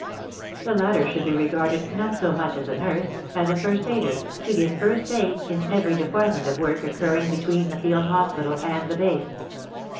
The latter should be regarded not so much as a nurse, as a first aider, to give first aid in every department of work occurring between the field hospital and the base.